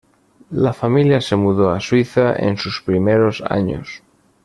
La familia se mudó a Suiza en sus primeros años.